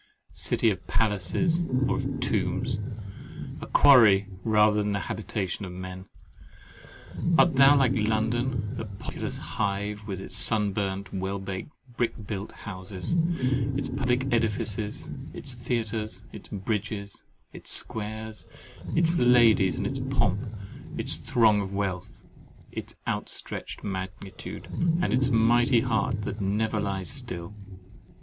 City of palaces, or of tombs—a quarry, rather than the habitation of men! Art thou like London, that populous hive, with its sunburnt, well baked, brick built houses—its public edifices, its theatres, its bridges, its squares, its ladies, and its pomp, its throng of wealth, its outstretched magnitude, and its mighty heart that never lies still?